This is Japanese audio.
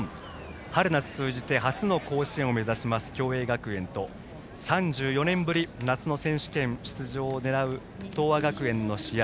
春夏通じて初の甲子園を目指します共栄学園と３４年ぶり夏の選手権出場を狙う東亜学園の試合。